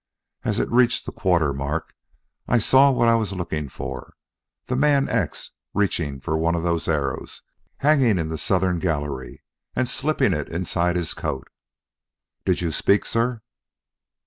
As it reached the quarter mark, I saw what I was looking for, the man X reaching for one of those arrows hanging in the southern gallery, and slipping it inside his coat. Did you speak, sir?"